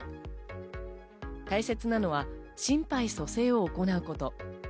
大切なのは心肺蘇生を行うこと。